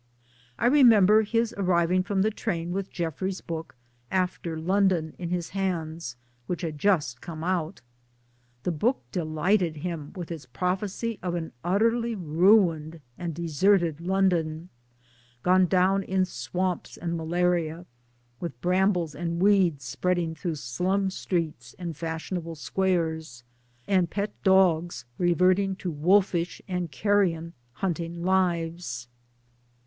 I remember his arriving from the train with Jefferies' book After London in his hands which had just come out. The book delighted him with its prophecy of an utterly ruined and deserted London, gone down in swamps and malaria, with brambles and weeds spreading through slum streets and fashionable squares, and pet dogs reverting to wolfish and carrion hunting lives.